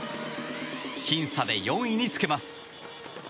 僅差で４位につけます。